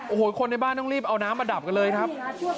โอ้โหคนในบ้านต้องรีบเอาน้ำมาดับกันเลยครับ